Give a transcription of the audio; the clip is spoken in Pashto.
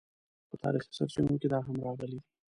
په تاریخي سرچینو کې دا هم راغلي دي.